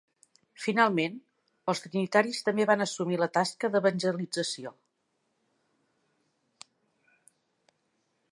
Finalment, els trinitaris també van assumir la tasca d'evangelització.